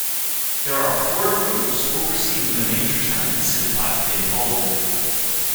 There are four groups overseeing the major tournaments in five pin bowling.